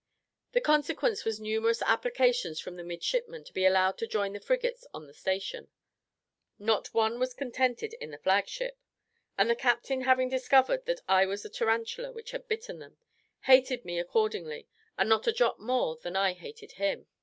The consequence was numerous applications from the midshipmen to be allowed to join the frigates on the station; not one was contented in the flag ship; and the captain having discovered that I was the tarantula which had bitten them, hated me accordingly, and not a jot more than I hated him.